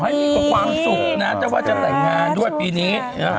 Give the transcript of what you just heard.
ก็ความสุขนะจะวาดเจ้าแต่งงานด้วยผีนี้